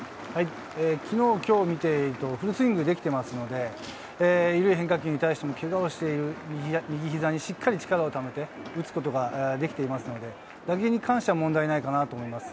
昨日、今日見ていてフルスイングができていますので、緩い変化球に対しても、けがをしている右膝にしっかり力をためて打つことができていますので、打球に関しては問題ないかなと思います。